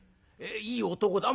いい男だ。